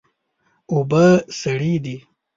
اوبه سړې دي